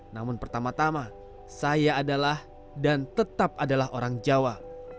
namun pertama tama saya adalah dan tetap adalah orang jawa